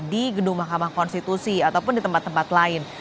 di gedung mahkamah konstitusi ataupun di tempat tempat lain